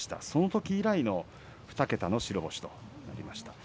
そのとき以来の２桁の白星ということになります。